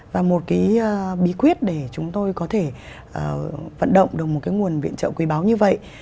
và một cái bí quyết để chúng tôi có thể vận động được một cái nguồn viện trợ quý báo như vậy